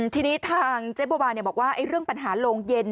ทีนี้ทางเจ๊บัวบานบอกว่าเรื่องปัญหาโรงเย็น